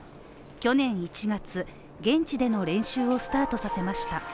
去年１月、現地での練習をスタートさせました。